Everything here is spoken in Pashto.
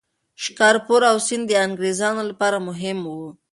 شکارپور او سند د انګریزانو لپاره مهم وو.